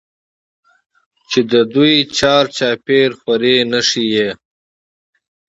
چې د دوى چار چاپېر خورې نښي ئې